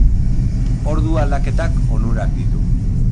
Ordu aldaketak onurak ditu.